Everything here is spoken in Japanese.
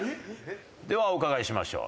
ではお伺いしましょう。